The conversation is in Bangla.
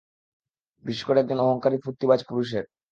বিশেষ করে এক অহংকারী ফূর্তিবাজ পুরুষের।